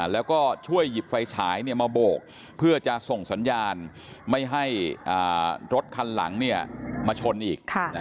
แล้วก็ช่วยหยิบไฟฉายมาโบกเพื่อจะส่งสัญญาณไม่ให้รถคันหลังมาชนอีก